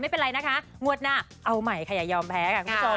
ไม่เป็นไรนะคะงวดหน้าเอาใหม่อย่ายอมแพ้